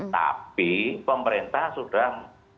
tapi pemerintah sudah